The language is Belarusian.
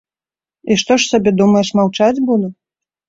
І што ж сабе думаеш, маўчаць буду?